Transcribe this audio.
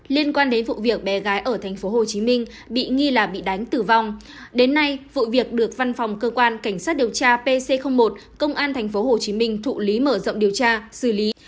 liên quan đến vụ việc bé gái ở tp hcm bị nghi là bị đánh tử vong đến nay vụ việc được văn phòng cơ quan cảnh sát điều tra pc một công an tp hcm thụ lý mở rộng điều tra xử lý